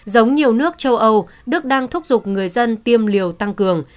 giống nhiều nước châu âu đức đang thúc giục người dân tiêm liều tăng cường